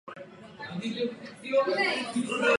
Výšku však překonal napoprvé.